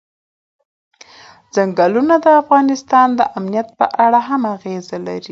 ځنګلونه د افغانستان د امنیت په اړه هم اغېز لري.